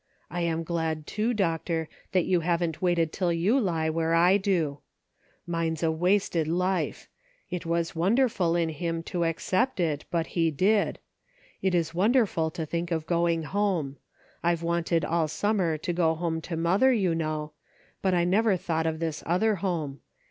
I am glad, too, Doctor, that you haven't waited till you lie where I do. Mine's a wasted 324 A NIGHT FOR DECISIONS. life ; it was wonderful in Him to accept it, but He did. It is wonderful to think of going home : I've wanted all summer to go home to mother, you know, but I never thought of this other home.